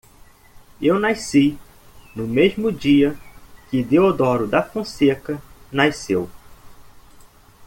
Eu nasci no mesmo dia que Deodoro da Fonseca nasceu.